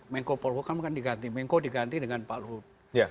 menko polhukam kan diganti menko diganti dengan pak luhut